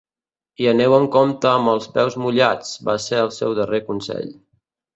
I aneu amb compte amb els peus mullats, va ser el seu darrer consell.